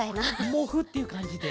モフッていうかんじで。